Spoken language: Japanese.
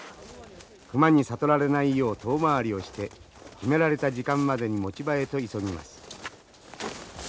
熊に悟られないよう遠回りをして決められた時間までに持ち場へと急ぎます。